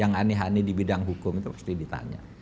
yang aneh aneh di bidang hukum itu pasti ditanya